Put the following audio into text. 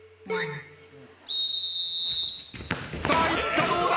さあいったどうだ？